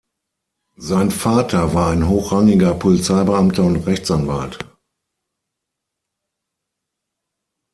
Sein Vater war ein hochrangiger Polizeibeamter und Rechtsanwalt.